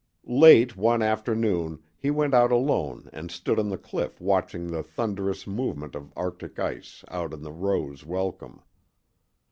Late one afternoon he went out alone and stood on the cliff watching the thunderous movement of arctic ice out in the Roes Welcome.